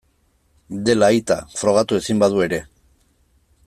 Dela aita, frogatu ezin badu ere.